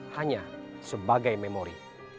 hanya sebagai memori